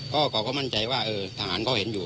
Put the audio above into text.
เขาก็มั่นใจว่าเออทหารเขาเห็นอยู่